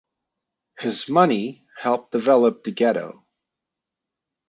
His money helped develop the ghetto.